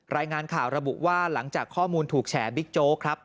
รายงานข่าวระบุว่าหลังจากข้อมูลถูกแฉบิ๊กโจ๊กครับ